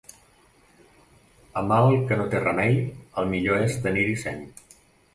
A mal que no té remei, el millor és tenir-hi seny.